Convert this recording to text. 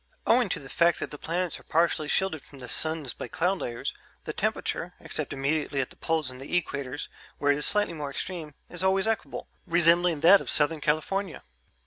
Owing to the fact that the planets are partially shielded from the suns by cloud layers, the temperature except immediately at the poles and the equators, where it is slightly more extreme is always equable, resembling that of Southern California...."